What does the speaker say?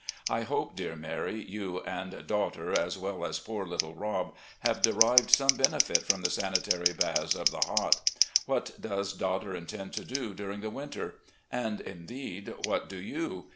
I hope, dear Mary, you and daughter, as well as poor little Rob, have derived some benefit from the sanitary baths of the Hot. What does daughter intend to do during the winter? And, indeed, what do you?